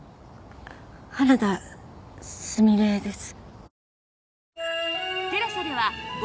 原田すみれです。